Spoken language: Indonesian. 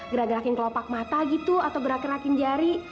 gerak gerakin kelopak mata gitu atau gerak gerakin jari